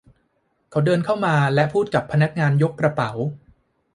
เขาเดินเข้ามาและพูดกับพนักงานยกกระเป๋า